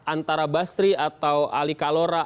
antara basri atau alikalora